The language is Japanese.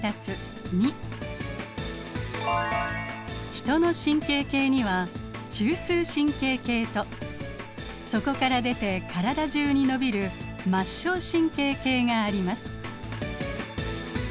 ヒトの神経系には中枢神経系とそこから出て体中に伸びる末梢神経系があります。